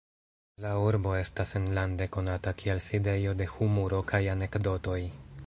La urbo estas enlande konata kiel sidejo de humuro kaj anekdotoj.